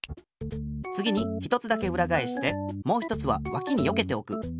つぎに１つだけうらがえしてもう１つはわきによけておく。